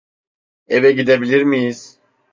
Eve gidebilir miyiz?